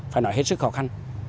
phải nói hết sức khó khăn